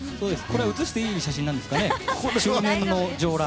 映していい写真なんですかね？